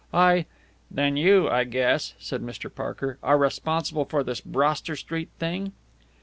I " "Then you, I guess," said Mr. Parker, "are responsible for this Broster Street thing?"